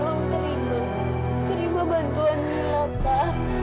tolong terima terima bantuan mila pak